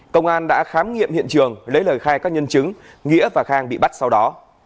công an đã khám nghiệm hiện trường lấy lời khai các nhân chứng nghĩa và khang bị bắt sau đó